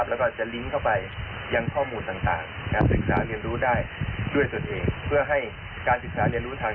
แล้วก็จะลิงก์เข้าไปยังข้อมูลต่าง